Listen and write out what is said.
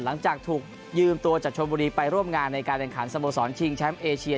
หลังจากถูกยืมตัวจากชนบุรีไปร่วมงานในการแข่งขันสโมสรชิงแชมป์เอเชีย